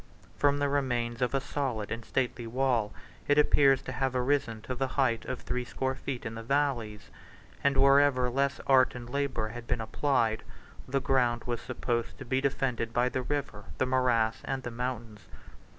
From the remains of a solid and stately wall, it appears to have arisen to the height of threescore feet in the valleys; and wherever less art and labor had been applied, the ground was supposed to be defended by the river, the morass, and the mountains.